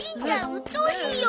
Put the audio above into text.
うっとうしいよ！